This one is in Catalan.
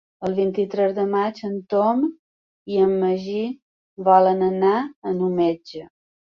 El vint-i-tres de maig en Tom i en Magí volen anar al metge.